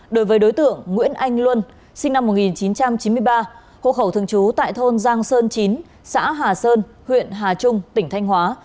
đối với đối tượng nguyễn anh luân sinh năm một nghìn chín trăm chín mươi ba hộ khẩu thường trú tại thôn giang sơn chín xã hà sơn huyện hà trung tỉnh thanh hóa